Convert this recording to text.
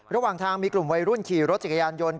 ระหว่างทางมีกลุ่มวัยรุ่นขี่รถจักรยานยนต์